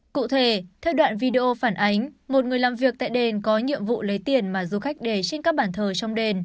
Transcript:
cụ thể theo đoạn video phản ánh một người làm việc tại đền có nhiệm vụ lấy tiền mà du khách đề trên các bàn thờ trong đền